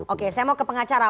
oke saya mau ke pengacara